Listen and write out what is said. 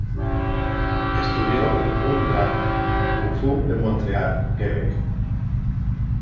Estudió el Hung-Gar Kung Fu en Montreal, Quebec.